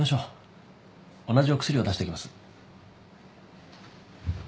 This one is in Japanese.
同じお薬を出しときます。